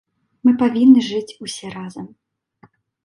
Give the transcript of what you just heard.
Мы павінны жыць усе разам.